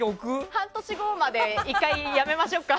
半年後まで１回やめましょうか。